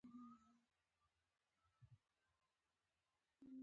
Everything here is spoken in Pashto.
ټپي ته باید د خوږ ژوند دروازه پرانیزو.